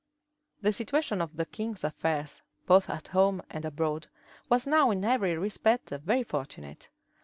The situation of the king's affairs, both at home and abroad, was now in every respect very fortunate.